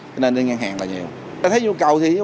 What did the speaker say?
thì xếp hàng cho tự